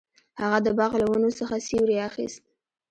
هغه د باغ له ونو څخه سیوری اخیست.